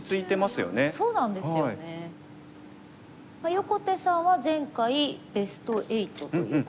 横手さんは前回ベスト８ということで。